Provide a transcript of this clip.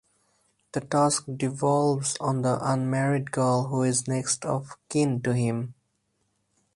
The task devolves on the unmarried girl who is next of kin to him.